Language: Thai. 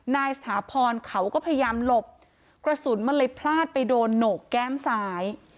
นายสถาพรเขาก็พยายามหลบกระสุนมันเลยพลาดไปโดนโหนกแก้มซ้าย